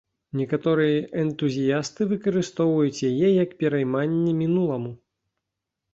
Некаторыя энтузіясты выкарыстоўваюць яе як перайманне мінуламу.